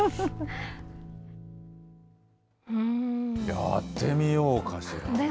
やってみようかしら。